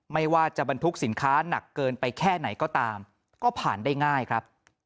ไม่ว่าจะบรรทุกสินค้าหนักเกินไปแค่ไหนก็ตามก็ผ่านได้ง่ายครับ